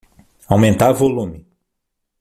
Aumentar volume